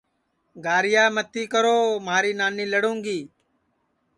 گاہرِیا متی کرو مھاری نانی لڑُوں گی